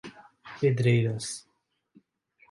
Pedreiras